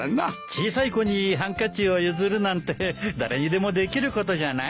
小さい子にハンカチを譲るなんて誰にでもできることじゃないよ。